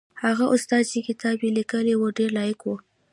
هغه استاد چې کتاب یې لیکلی و ډېر لایق و.